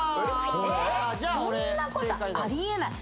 そんなことありえない